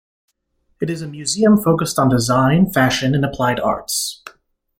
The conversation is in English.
It is a museum focused on design, fashion and applied arts.